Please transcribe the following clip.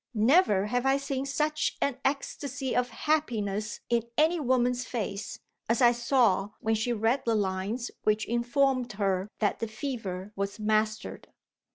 Never have I seen such an ecstasy of happiness in any woman's face, as I saw when she read the lines which informed her that the fever was mastered.